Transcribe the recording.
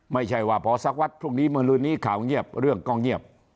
ไม่ใช่ว่าพอสักวัดพรุ่งนี้เมื่อลืนนี้ข่าวเงียบเรื่องก็เงียบ